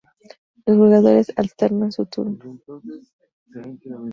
Los jugadores alternan su turno.